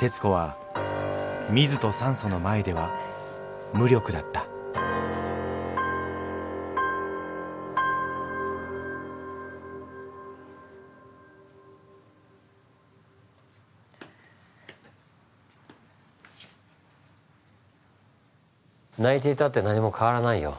テツコはミズとサンソの前では無力だった泣いていたって何も変わらないよ。